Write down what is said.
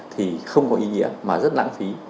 thì không có ý nghĩa mà rất lãng phí